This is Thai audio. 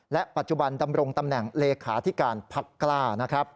และปัจจุบันดำรงตำแหน่งเลขาธิการพักกล้านะครับ